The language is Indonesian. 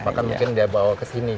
bahkan mungkin dia bawa ke sini